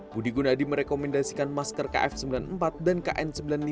budi gunadi merekomendasikan masker kf sembilan puluh empat dan kn sembilan puluh lima